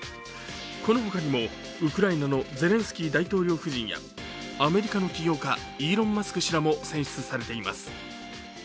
このほかにもウクライナのゼレンスキー大統領夫人やアメリカの企業家、イーロン・マスク氏なども選出されています。